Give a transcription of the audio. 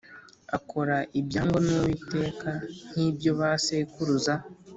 Akora ibyangwa n uwiteka nk ibyo ba sekuruza